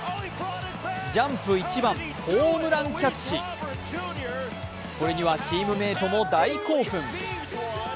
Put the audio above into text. ジャンプ一番、ホームランキャッチこれにはチームメートも大興奮。